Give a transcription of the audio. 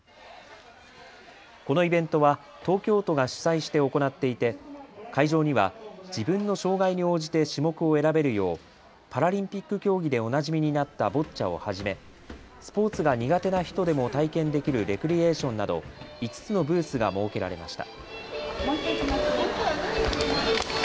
このイベントは東京都が主催して行っていて、会場には自分の障害に応じて種目を選べるようパラリンピック競技でおなじみになったボッチャをはじめ、スポーツが苦手な人でも体験できるレクリエーションなど５つのブースが設けられました。